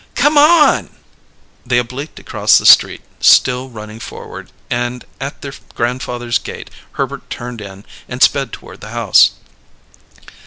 "Come on!" They obliqued across the street, still running forward, and at their grandfather's gate Herbert turned in and sped toward the house.